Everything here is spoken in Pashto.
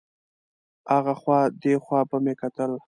ها خوا دې خوا به مې کتل.